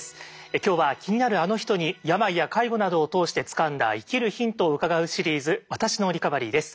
今日は気になるあの人に病や介護などを通してつかんだ生きるヒントを伺うシリーズ「私のリカバリー」です。